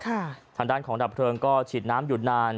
ทางด้านของดับเพลิงก็ฉีดน้ำอยู่นาน